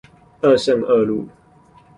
二聖二路